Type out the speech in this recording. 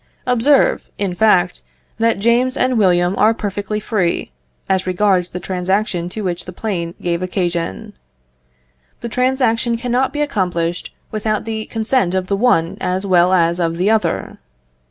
Observe, in fact, that James and William are perfectly free, as regards the transaction to which the plane gave occasion. The transaction cannot be accomplished without the consent of the one as well as of the other.